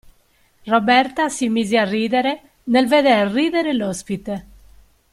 Roberta si mise a ridere nel veder ridere l'ospite.